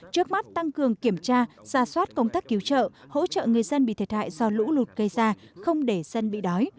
trước mắt tăng cường kiểm tra ra soát công tác cứu trợ hỗ trợ người dân bị thiệt hại do lũ lụt gây ra không để dân bị đói